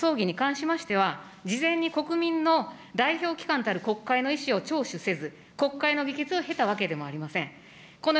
今回の国葬儀に関しましては、事前に国民の代表機関たる国会の意思を聴取せず、国会の議決を経たわけではありません。